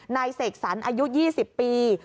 นายเสกสรรดิ์อายุ๒๐ปี